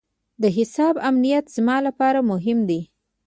د حساب امنیت زما لپاره مهم دی.